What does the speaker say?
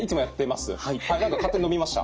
何か勝手に伸びました。